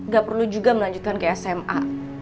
gak perlu juga melanjutkan ke sma